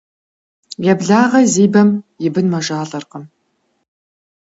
Еблагъэ зи бэм и бын мэжалӀэркъым.